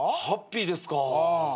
ハッピーですか。